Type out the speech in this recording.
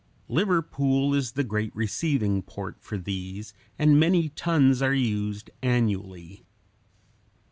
Liverpool is the great receiving port for these, and many tons are used annually.